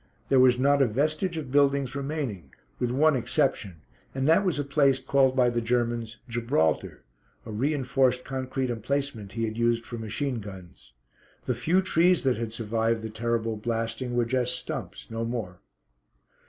There was not a vestige of buildings remaining, with one exception, and that was a place called by the Germans "Gibraltar," a reinforced concrete emplacement he had used for machine guns. The few trees that had survived the terrible blasting were just stumps, no more.